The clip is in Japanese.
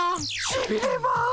しびれます。